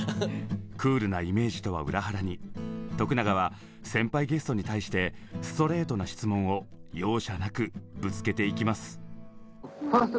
クールなイメージとは裏腹に永は先輩ゲストに対してストレートな質問を容赦なくぶつけていきます。